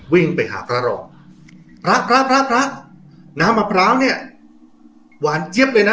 วิ่งไปหาพระรองพระพระพระน้ำมะพร้าวเนี่ยหวานเจี๊ยบเลยนะ